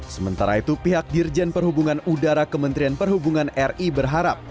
sementara itu pihak dirjen perhubungan udara kementerian perhubungan ri berharap